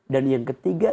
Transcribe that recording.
dan yang ketiga